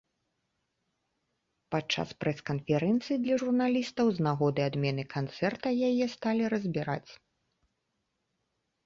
Падчас прэс-канферэнцыі для журналістаў з нагоды адмены канцэрта яе сталі разбіраць.